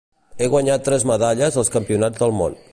Ha guanyat tres medalles als Campionats del món.